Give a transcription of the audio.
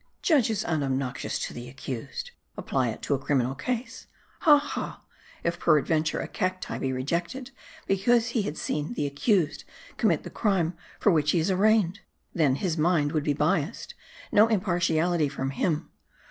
" Judges unobnoxious to the accused ! Apply it to a criminal case. Ha ! ha ! if peradventure a Cadi be reject ed, because he had seen the accused commit the crime for which he is arraigned. Then, his mind would be biased : no impartiality from him